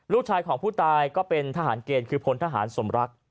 ลูกชายของผู้ตายก็เป็นทหารเกณฑ์คือพลทหารสมรัก